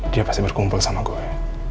dia pasti berkumpul sama gue